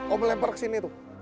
om lebar ke sini tuh